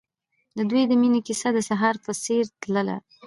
د دوی د مینې کیسه د سهار په څېر تلله.